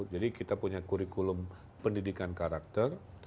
jadi kita punya kurikulum pendidikan karakter